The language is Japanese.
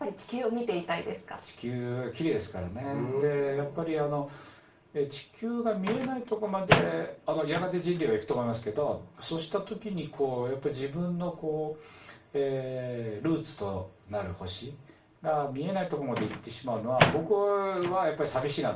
やっぱり地球が見えないとこまでやがて人類は行くと思いますけどそうした時にやっぱり自分のルーツとなる星が見えないとこまで行ってしまうのは僕はやっぱり寂しいなと思うので。